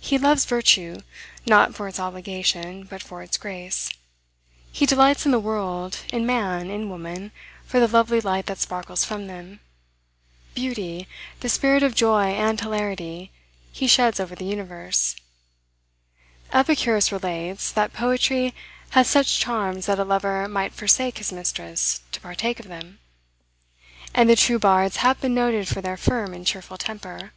He loves virtue, not for its obligation, but for its grace: he delights in the world, in man, in woman, for the lovely light that sparkles from them. Beauty, the spirit of joy and hilarity, he sheds over the universe. Epicurus relates, that poetry hath such charms that a lover might forsake his mistress to partake of them. And the true bards have been noted for their firm and cheerful temper.